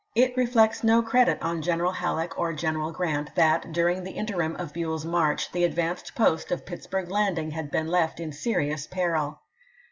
It reflects no credit on Greneral Halleck or Gen eral Grant that, during the interim of Buell's march, the advanced post of Pittsburg Landing had been left in serious peril.